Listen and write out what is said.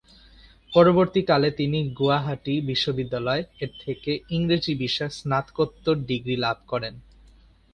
পরবর্তী কালে তিনি গুয়াহাটি বিশ্ববিদ্যালয়-এর থেকে ইংরেজি বিষয়ে স্নাতকোত্তর ডিগ্রী লাভ করেন।